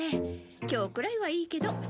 今日くらいはいいけど。